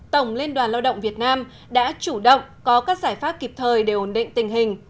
tổng liên đoàn lao động việt nam đã chủ động có các giải pháp kịp thời để ổn định tình hình